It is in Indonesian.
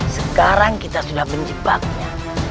sekarang kita sudah menyebabnya